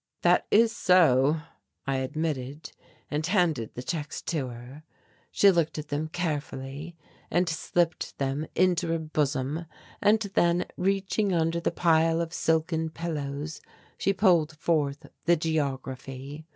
"That is so," I admitted, and handed the checks to her. She looked at them carefully and slipped them into her bosom, and then, reaching under the pile of silken pillows, she pulled forth the geography.